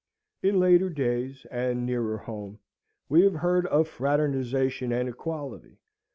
In later days, and nearer home, we have heard of fraternisation and equality.